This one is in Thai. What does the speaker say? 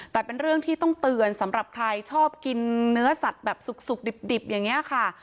แต่เป็นเรื่องที่ต้องเตือนสำหรับใครชอบกินเนื้อสัตว์แบบสุกดิบอย่างนี้ค่ะ